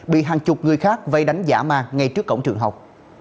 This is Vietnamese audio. bị hàng chục người khác vây đánh giả ma ngay trước cổng trường học